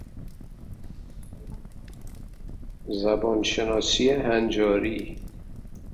زبان شناسی هنجاری